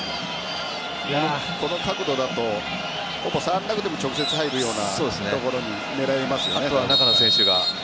この角度だと、触らなくても直接入るようなところを狙いますかね。